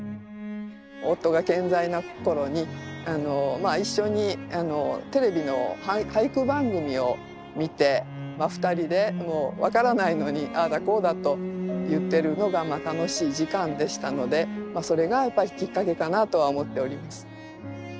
夫が健在な頃に一緒にテレビの俳句番組を見て２人で分からないのにああだこうだと言ってるのが楽しい時間でしたのでそれがきっかけかなとは思っております。